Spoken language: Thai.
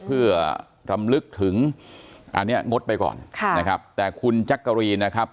เพื่อรำลึกถึงอันนี้งดไปก่อนแต่คุณจักรีนนะครับ